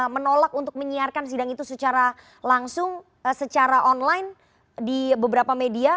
menolak untuk menyiarkan sidang itu secara langsung secara online di beberapa media